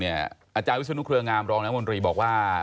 อาจารย์วิศนุเครืองามรองน้ำมนตรีบอกว่า